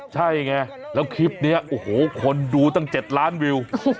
ใช่ไงแล้วคลิปนี้โอ้โหคนดูตั้ง๗ล้านวิว